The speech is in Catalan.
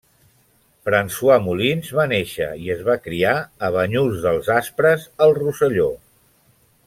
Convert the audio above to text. François Molins va néixer i es va criar a Banyuls dels Aspres al Rosselló.